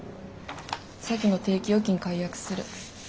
咲妃の定期預金解約する。